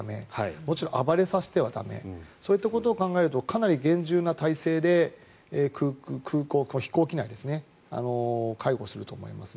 もちろん暴れさせては駄目そういったことを考えるとかなり厳重な態勢で飛行機内で逮捕すると思いますね。